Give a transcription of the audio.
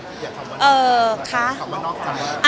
คืออย่างน้อยค่ะ